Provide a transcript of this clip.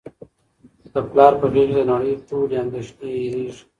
د پلار په غیږ کي د نړۍ ټولې اندېښنې هیرېږي.